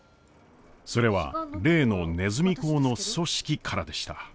それは例のねずみ講の組織からでした。